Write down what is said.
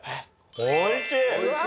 おいしい！